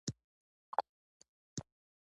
محاکات د هنري ښکلا او اغېز یوه برخه ده